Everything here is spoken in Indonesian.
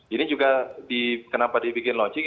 ini juga kenapa dibikin launching